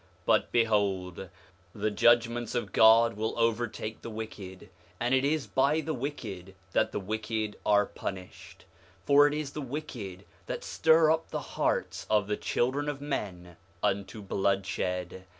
4:5 But, behold, the judgments of God will overtake the wicked; and it is by the wicked that the wicked are punished; for it is the wicked that stir up the hearts of the children of men unto bloodshed.